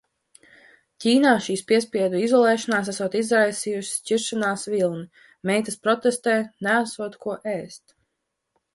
Ķīnā šī piespiedu izolēšanās esot izraisījusi šķiršanās vilni. Meitas protestē – neesot ko ēst.